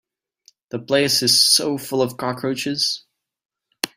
The place is so full of cockroaches.